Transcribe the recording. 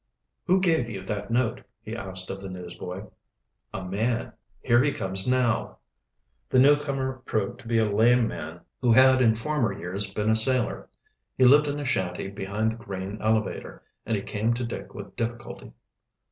"Who gave you that note?" he asked of the newsboy. "A man. Here he comes, now." The newcomer proved to be a lame man, who had in former years been a sailor. He lived in a shanty behind the grain elevator, and he came to Dick with difficulty.